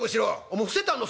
「もう伏せてあんの？